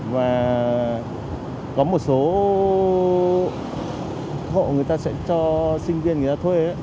và có một số hộ người ta sẽ cho sinh viên người ta thuê